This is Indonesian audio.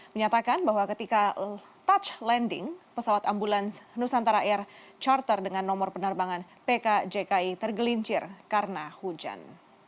menyatakan bahwa ketika touch landing pesawat ambulans nusantara air charter dengan nomor penerbangan pkjki tergelincir karena hujan